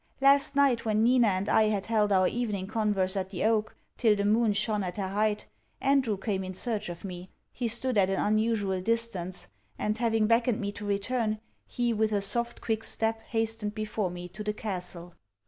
Last night, when Nina and I had held our evening converse at the oak, till the moon shone at her height, Andrew came in search of me; he stood at an unusual distance; and, having beckoned me to return, he with a soft quick step, hastened before me to the castle.